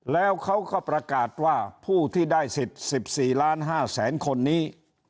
แล้วเขาก็ประกาศว่าผู้ที่ได้สิทธิ์๑๔ล้าน๕แสนคนนี้